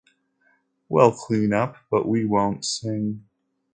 We’ll clean up, but we won’t sing.